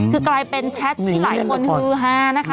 คือกลายเป็นแชทที่หลายคนฮือฮานะคะ